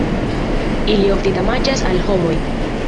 Ili ofte damaĝas al homoj.